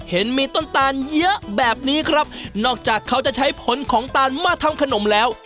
เห็นมีต้นตาลเยอะแบบนี้ครับนอกจากเขาจะใช้ผลของตาลมาทำขนมแล้ว